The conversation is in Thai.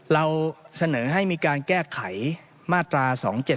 เราเสนอให้มีการแก้ไขมาตรา๒๗๒